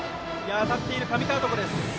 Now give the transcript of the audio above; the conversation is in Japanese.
当たっている上川床です。